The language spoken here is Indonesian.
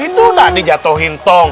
itu tadi jatuhin tong